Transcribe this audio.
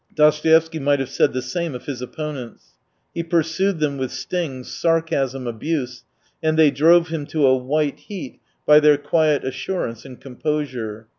Dostoevsky might have said the same of his opponents. He pursued them with stings, sarcasm, abuse, and they drove him to a white heat by their quiet assurance and composure